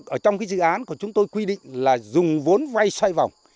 ở trong cái dự án của chúng tôi quy định là dùng vốn vay xoay vòng